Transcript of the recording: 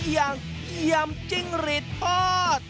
ยังยำจิ้งหลีดทอด